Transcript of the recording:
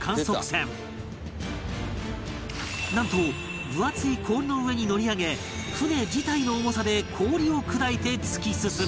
なんと分厚い氷の上に乗り上げ船自体の重さで氷を砕いて突き進む